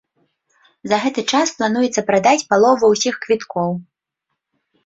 За гэты час плануецца прадаць палову ўсіх квіткоў.